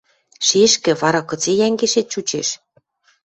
Шешкӹ, вара кыце йӓнгешет чучеш?